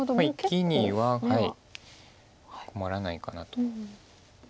生きには困らないかなと。